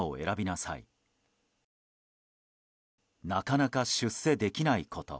なかなか出世できないこと。